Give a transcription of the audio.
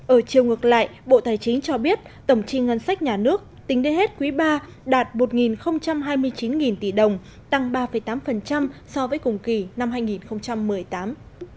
ở chiều ngược lại bộ tài chính cho biết tổng chi ngân sách nhà nước tính đến hết quý ba đạt một hai mươi chín tỷ đồng tăng ba tám so với cùng kỳ năm hai nghìn một mươi tám